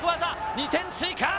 ２点追加。